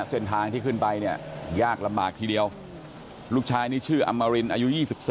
เส้นทางที่ขึ้นไปเนี่ยยากลำบากทีเดียวลูกชายนี่ชื่ออำมารินอายุ๒๔